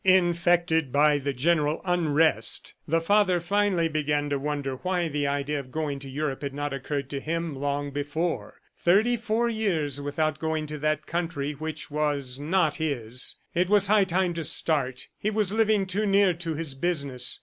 Infected by the general unrest, the father finally began to wonder why the idea of going to Europe had not occurred to him long before. Thirty four years without going to that country which was not his! ... It was high time to start! He was living too near to his business.